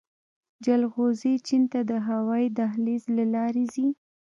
جلغوزي چین ته د هوايي دهلیز له لارې ځي